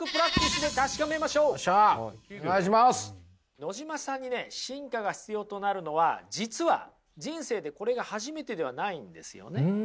野島さんにね進化が必要となるのは実は人生でこれが初めてではないんですよね。